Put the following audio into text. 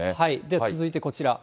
続いてこちら。